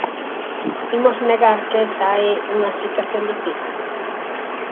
¿Imos negar que esa é unha situación difícil?